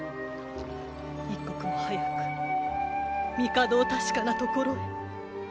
一刻も早く帝を確かなところへ。